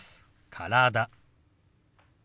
「体」。